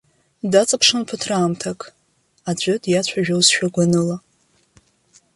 Даҵаԥшуан ԥыҭраамҭак, аӡәы диацәажәозшәа гәаныла.